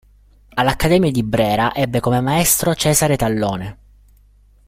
All'Accademia di Brera ebbe come maestro Cesare Tallone.